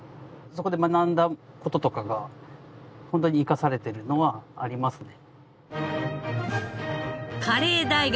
そこで学んだ事とかがホントに生かされてるのはありますね。